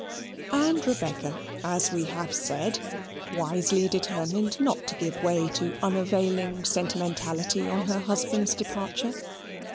And Rebecca, as we have said, wisely determined not to give way to unavailing sentimentality on her husband's departure.